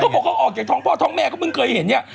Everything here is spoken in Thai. บอกเขาออกจากท้องพ่อท้องแม่เขาเพิ่งเคยเห็นเนี่ย